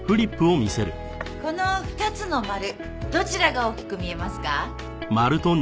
この２つの丸どちらが大きく見えますか？